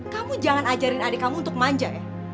kamu jangan ajarin adik kamu untuk manja ya